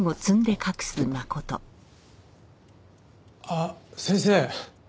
あっ先生。